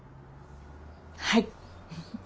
はい。